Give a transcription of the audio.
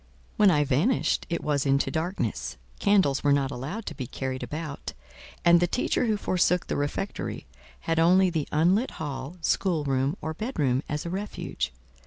When I vanished—it was into darkness; candles were not allowed to be carried about, and the teacher who forsook the refectory, had only the unlit hall, schoolroom, or bedroom, as a refuge.